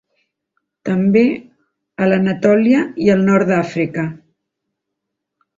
També a l'Anatòlia i al nord d'Àfrica.